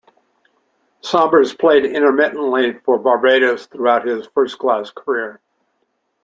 Sobers played intermittently for Barbados throughout his first-class career.